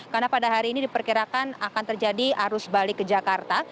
karena pada hari ini diperkirakan akan terjadi arus balik ke jakarta